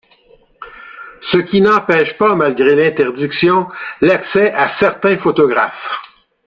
Ce qui n’empêche pas malgré l’interdiction, l’accès à certains photographes.